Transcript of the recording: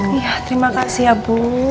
ya terima kasih ya bu